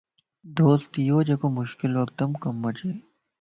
دوست ايو جيڪو مشڪل وقتم ڪم اچي